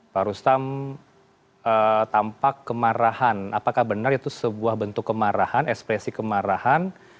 pak rustam tampak kemarahan apakah benar itu sebuah bentuk kemarahan ekspresi kemarahan